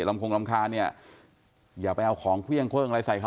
ไม่เป็นไร